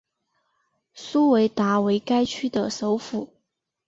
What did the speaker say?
苏韦达为该区的首府。